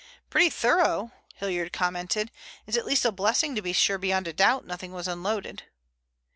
"Pretty thorough," Hilliard commented. "It's at least a blessing to be sure beyond a doubt nothing was unloaded."